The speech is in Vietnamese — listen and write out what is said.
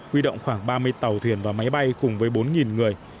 huy động khoảng ba mươi tàu thuyền và máy bay cùng với bốn người